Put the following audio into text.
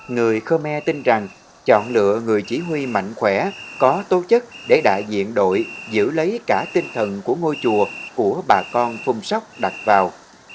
người khmer tin rằng chọn lựa người chỉ huy mạnh khỏe có tốt chất để đại diện đội giữ lấy cả tinh thần của ngôi chùa của bà con phung sóc đặt vào